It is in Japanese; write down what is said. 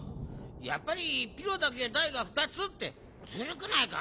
やっぱりピロだけだいがふたつってずるくないか？